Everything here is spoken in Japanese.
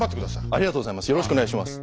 ありがとうございます。